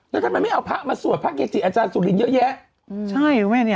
แล้วทำไมไม่เอาพระมาสวดพระเกจิอาจารย์สุรินเยอะแยะอืมใช่คุณแม่เนี้ย